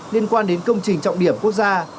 liên quan đến công trình trọng điểm quốc gia